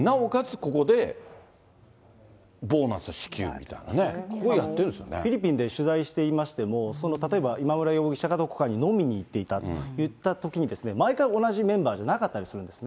ここでボーナス支給みたいなね、こういうのやってるんでフィリピンで取材していましても、例えば今村容疑者がどこかに飲みに行っていたというときに、毎回同じメンバーじゃなかったりするんですね。